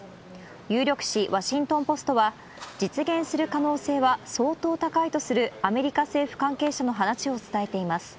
有力紙、ワシントンポストは実現する可能性は相当高いとするアメリカ政府関係者の話を伝えています。